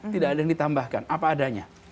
tidak ada yang ditambahkan apa adanya